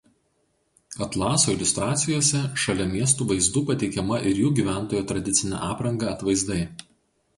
Atlaso iliustracijose šalia miestų vaizdų pateikiama ir jų gyventojų tradicine apranga atvaizdai.